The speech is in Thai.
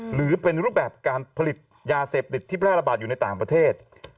หรือเป็นรูปแบบการผลิตยาเสพติดที่แพร่ระบาดอยู่ในต่างประเทศ